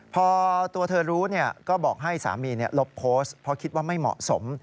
พอตัวเธอรู้ก็บอกให้สามีลบโพสต์เพราะคิดว่าไม่เหมาะสม